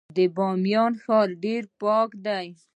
د بامیان ښار ډیر پاک دی